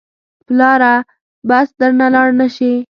پلاره بس درنه لاړ نه شې.